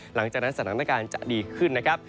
หลังจากนั้นสถานการณ์จะดีขึ้นนะครับ